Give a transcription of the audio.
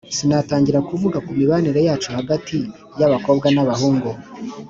Sinatangira kuvuga ku mibanire yacu hagati y’abakobwa n’abahungu,